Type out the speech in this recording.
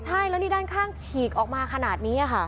ใช่แล้วนี่ด้านข้างฉีกออกมาขนาดนี้ค่ะ